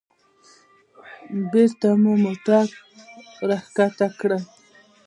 بېرته مو موټر راښکته کړ.